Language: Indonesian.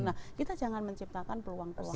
nah kita jangan menciptakan peluang peluang